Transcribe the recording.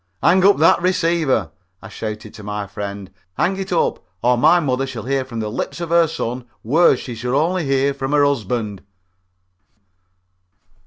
"Hang up that receiver!" I shouted to my friend; "hang it up, or my mother shall hear from the lips of her son words she should only hear from her husband."